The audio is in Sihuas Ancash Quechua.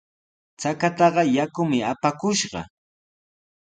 Chataqa yakumi apakushqa.